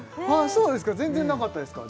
そうですか全然なかったですか？